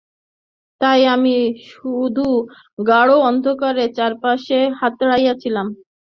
তাই, আমি শুধু গাঢ় অন্ধকারে চারপাশ হাতড়াচ্ছিলাম।